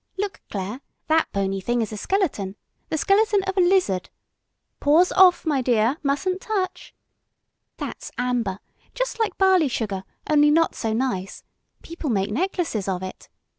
Look, Clare, that bony thing is a skeleton the skeleton of a lizard. Paws off, my dear; mustn't touch. That's amber, just like barley sugar, only not so nice; people make necklaces of it.